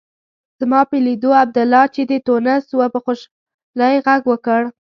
زما په لیدو عبدالله چې د تونس و په خوشالۍ غږ وکړ.